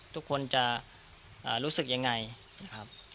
ทุกคนจะรู้สึกยังไงนะครับ